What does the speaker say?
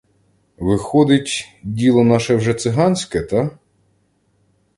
Виходить, діло наше вже циганське, та?